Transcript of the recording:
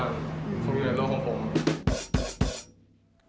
อยู่ในโลกของผม